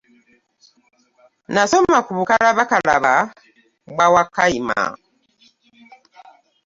Nasoma ku bukalabakalaba bwa wakayima.